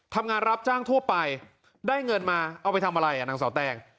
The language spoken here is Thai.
รับจ้างทั่วไปได้เงินมาเอาไปทำอะไรอ่ะนางเสาแตง